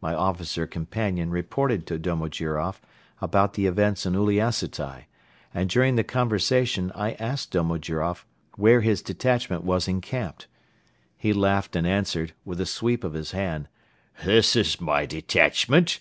My officer companion reported to Domojiroff about the events in Uliassutai and during the conversation I asked Domojiroff where his detachment was encamped. He laughed and answered, with a sweep of his hand: "This is my detachment."